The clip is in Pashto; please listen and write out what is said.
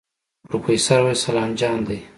پروفيسر وويل سلام جان دی.